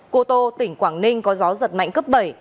cô tô tỉnh quảng ninh có gió giật mạnh cấp bảy